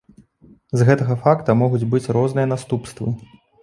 З гэтага факта могуць быць розныя наступствы.